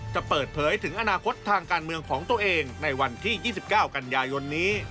จะเปิดเผยถึงอนาคตทางการเมืองของตัวเองในวันที่๒๙กันยายนนี้